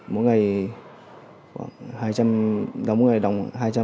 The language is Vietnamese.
mỗi ngày khoảng hai trăm linh đóng mỗi ngày đóng hai trăm năm mươi